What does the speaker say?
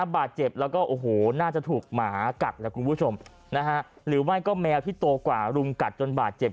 บาดเจ็บแล้วก็โอ้โหน่าจะถูกหมากัดแหละคุณผู้ชมหรือไม่ก็แมวที่โตกว่ารุมกัดจนบาดเจ็บ